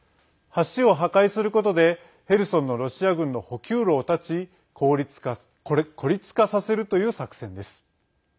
橋を破壊することでヘルソンのロシア軍の補給路を絶ち孤立化させるという作戦です。